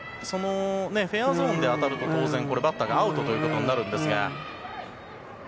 フェアゾーンで当たると当然、バッターがアウトということになるんですが。